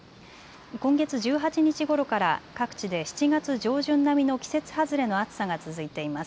今月１８日ごろから各地で７月上旬並みの季節外れの暑さが続いています。